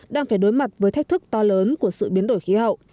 đang phải đối mặt với thách thức to lớn của sự biến đổi khí hậu